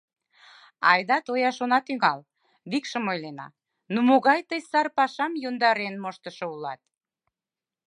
Айда тояш она тӱҥал, викшым ойлена: ну, могай тый сар пашам йӧндарен моштышо улат?...